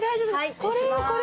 これよこれ。